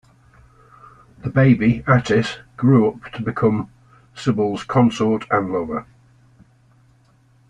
The baby, Attis, grew up to become Cybele's consort and lover.